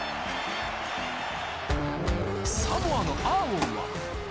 サモアのアーウォンは。